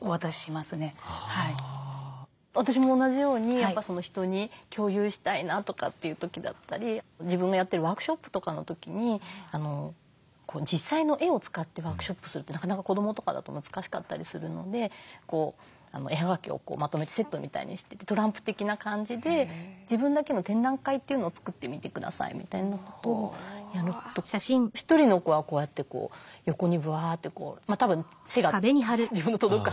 私も同じようにやっぱ人に共有したいなとかっていう時だったり自分がやってるワークショップとかの時に実際の絵を使ってワークショップするってなかなか子どもとかだと難しかったりするので絵葉書をまとめてセットみたいにしてトランプ的な感じで自分だけの展覧会というのを作ってみてくださいみたいなことをやると一人の子はこうやってこう横にぶわってたぶん背が自分の届く範囲のとこにピンで貼ってった。